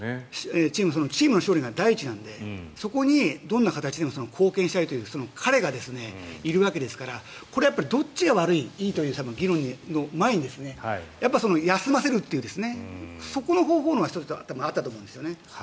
チームの勝利が第一なのでそこにどんな形でも貢献したいという彼がいるわけですからこれはどっちが悪い、いいという議論の前に休ませるという、そこの方法の必要性があったと思います。